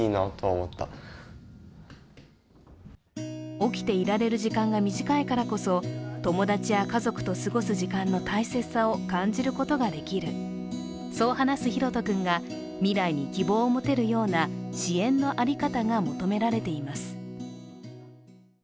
起きていられる時間が短いからこそ友達や家族と過ごす時間の大切さを感じることができるそう話すひろと君が未来に希望を持てるような支援の在り方が求められています。